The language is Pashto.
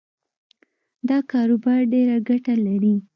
دا کاروبار ډېره ګټه لري